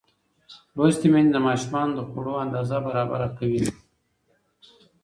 لوستې میندې د ماشومانو د خوړو اندازه برابره کوي.